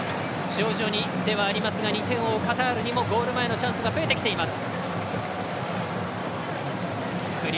徐々にではありますが２点を追うカタールにもゴール前のチャンス増えてきています。